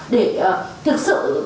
để thực sự